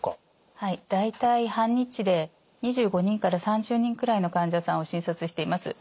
はい大体半日で２５人から３０人くらいの患者さんを診察しています。